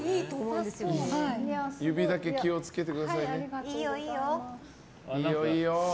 指だけ気を付けてくださいね。